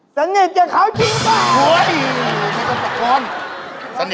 สนิทอย่ามีคราวจริงก็เหลือ